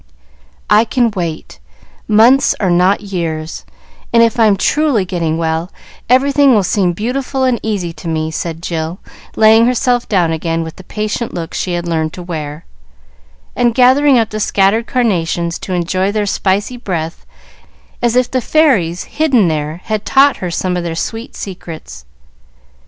"I can wait. Months are not years, and if I'm truly getting well, everything will seem beautiful and easy to me," said Jill, laying herself down again, with the patient look she had learned to wear, and gathering up the scattered carnations to enjoy their spicy breath, as if the fairies hidden there had taught her some of their sweet secrets.